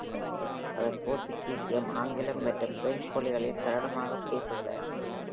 அவர் போர்த்துகீசியம், ஆங்கிலம் மற்றும் பிரஞ்சு மொழிகளில் சரளமாக பேசுகிறார்.